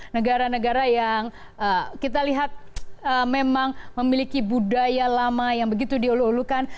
negara negara yang kita lihat memang memiliki budaya lama yang begitu diolu ulukan